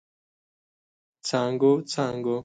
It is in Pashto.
څانګو، څانګو